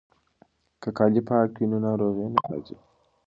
که کالي پاک وي نو ناروغي نه راځي.